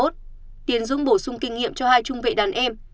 tiên dũng bổ sung kinh nghiệm cho hai trung vệ đàn em